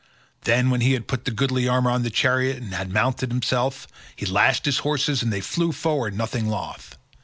Then when he had put the goodly armour on the chariot and had himself mounted, he lashed his horses on and they flew forward nothing loth.